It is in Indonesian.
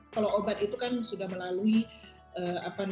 kalau orang yang sedang bergejala batuk ini harus kumur kumur